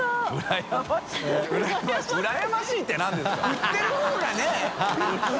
売ってる方がね